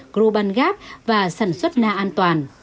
gruban gáp và sản xuất na an toàn